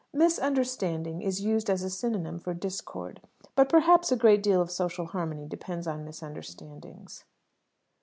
"Misunderstanding" is used as a synonym for "discord;" but, perhaps, a great deal of social harmony depends on misunderstandings.